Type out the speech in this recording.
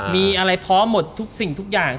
มีอะไรพร้อมหมดทุกสิ่งทุกอย่าง